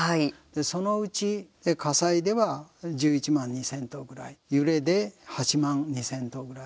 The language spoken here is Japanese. そのうち、火災では１１万２０００棟ぐらい揺れで８万２０００棟ぐらい。